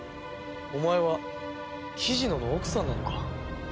お前は雉野の奥さんなのか？